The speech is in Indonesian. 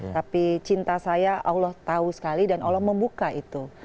tapi cinta saya allah tahu sekali dan allah membuka itu